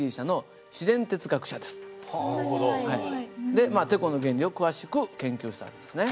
でてこの原理を詳しく研究したんですね。